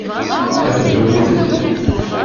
Ad tedduḍ yid-s?